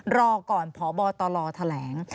รอก่อนพบตลแถลง